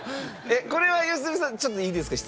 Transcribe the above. えっこれは良純さんちょっといいですか？